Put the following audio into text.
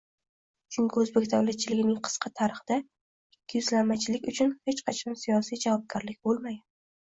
Chunki o'zbek davlatchiligining qisqa tarixida ikkiyuzlamachilik uchun hech qachon siyosiy javobgarlik bo'lmagan